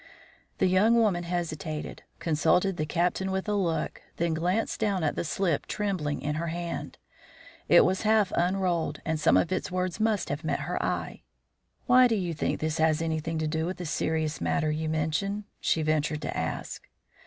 The young woman hesitated, consulted the Captain with a look, then glanced down at the slip trembling in her hand. It was half unrolled, and some of its words must have met her eye. "Why do you think this has anything to do with the serious matter you mention?" she ventured to ask.